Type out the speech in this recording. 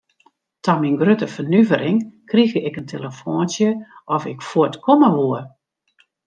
Ta myn grutte fernuvering krige ik in telefoantsje oft ik fuort komme woe.